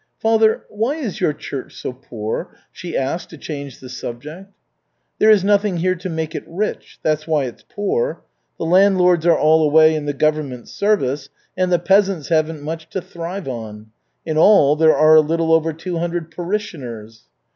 "Father, why is your church so poor?" she asked to change the subject. "There is nothing here to make it rich that's why it's poor. The landlords are all away in the government service, and the peasants haven't much to thrive on. In all there are a little over two hundred parishioners."